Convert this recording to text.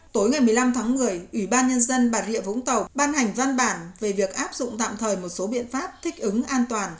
tối ngày một mươi năm tháng một mươi ủy ban nhân dân bà rịa vũng tàu ban hành văn bản về việc áp dụng tạm thời một số biện pháp thích ứng an toàn